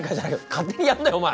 勝手にやんなよお前！